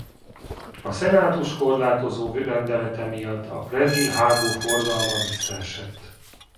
A Szenátus korlátozó rendelete miatt a Predil-hágó forgalma visszaesett.